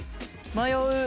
迷う。